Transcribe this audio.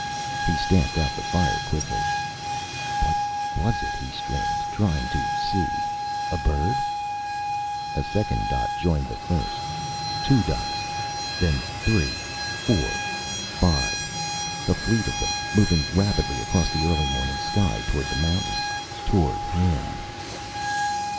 He stamped out the fire quickly. What was it? He strained, trying to see. A bird? A second dot joined the first. Two dots. Then three. Four. Five. A fleet of them, moving rapidly across the early morning sky. Toward the mountains. Toward him.